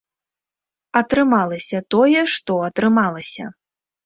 Атрымалася тое, што атрымалася.